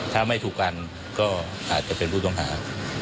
ถ้าไม่ถูกกันก็อาจจะเป็นผู้ต้องหา